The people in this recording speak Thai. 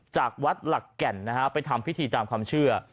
จากวัดหลักแก่นนะฮะไปทำพิธีตามความเชื่อ